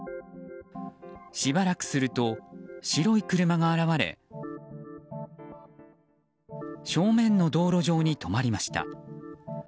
しばらくすると白い車が現れ正面の道路上に止まりました。